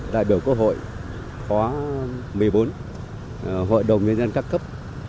đại biểu quốc hội khóa một mươi bốn hội đồng nhân dân các cấp